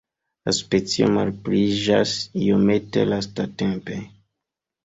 La specio malpliiĝas iomete lastatempe.